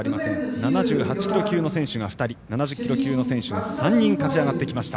７８キロ級の選手が２人７０キロ級の選手が３人勝ち上がってきました。